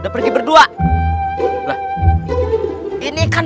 agar tidak memberontak kepada prakusiluang